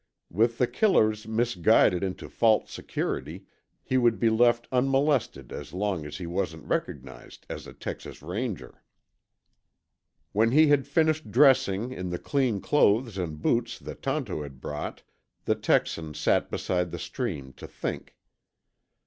With the killers misguided into false security, he would be left unmolested as long as he wasn't recognized as a Texas Ranger. When he had finished dressing in the clean clothes and boots that Tonto had brought, the Texan sat beside the stream to think.